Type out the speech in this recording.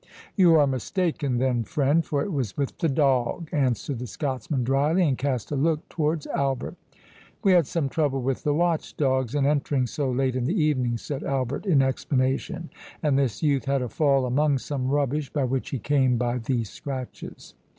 "You are mistaken, then, friend, for it was with the dowg," answered the Scotsman, dryly, and cast a look towards Albert. "We had some trouble with the watch dogs in entering so late in the evening," said Albert, in explanation, "and this youth had a fall among some rubbish, by which he came by these scratches."